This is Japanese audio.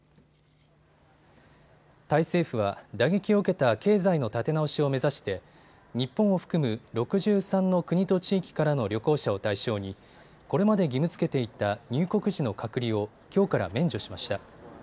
タイ政府は打撃を受けた経済の立て直しを目指して日本を含む６３の国と地域からの旅行者を対象にこれまで義務づけていた入国時の隔離を、きょうから免除しました。